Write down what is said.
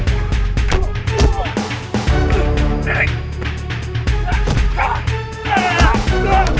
udah lah gak usah kayak gini